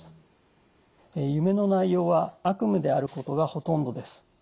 夢の内容は悪夢であることがほとんどです。